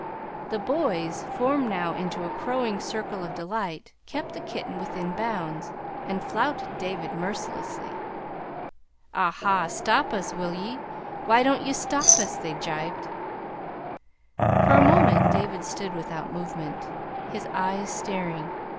The boys, formed now into a crowing circle of delight, kept the kitten within bounds, and flouted David mercilessly. "Ah, ha! stop us, will ye? Why don't ye stop us?" they gibed. For a moment David stood without movement, his eyes staring.